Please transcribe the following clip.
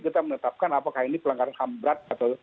kita menetapkan apakah ini pelanggaran ham berat atau